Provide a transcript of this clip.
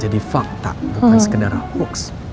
jadi fakta bukan sekenara hoax